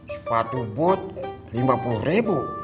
sepatu bot lima puluh ribu